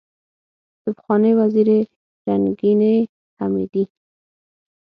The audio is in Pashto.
دپخوانۍ وزیرې رنګینې حمیدې